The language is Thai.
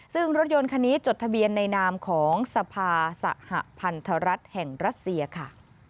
ซึ่งรถยนต์คันนี้จดทะเบียนในนามของสภาสหพันธรัฐแห่งรัสเซียค่ะ